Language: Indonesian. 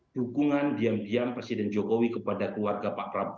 dukungan diam diam presiden jokowi kepada keluarga pak prabowo